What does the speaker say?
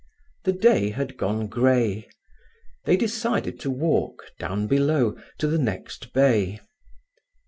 The day had gone grey. They decided to walk, down below, to the next bay.